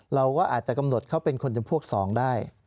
เราก็อาจจะกำหนดเขาเป็นคนจำพวก๒ได้